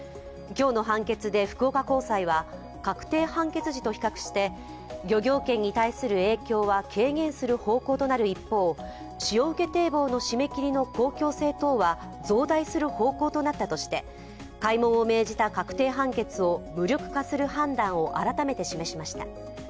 今日の判決で福岡高裁は、確定判決時と比較して漁業権に対する影響は軽減する方向となる一方、潮受け堤防の閉め切りの公共性等は増大する方向となったとしても、開門を命じた確定判決を無力化する判断を改めて示しました。